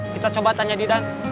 kita coba tanya didan